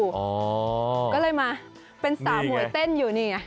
ก็เลยมาเป็นสาวมวยเต้นอยู่นี่ไง